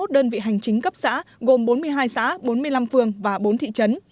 hai mươi đơn vị hành chính cấp xã gồm bốn mươi hai xã bốn mươi năm phường và bốn thị trấn